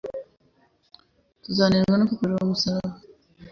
Tuzanezezwa no kwikorera umusaraba